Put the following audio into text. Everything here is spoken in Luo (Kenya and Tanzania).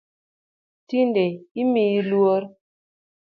Tinde omiyi luor .